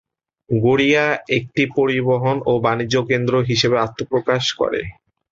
গড়িয়া একটি পরিবহন ও বাণিজ্যকেন্দ্র হিসেবে আত্মপ্রকাশ করে।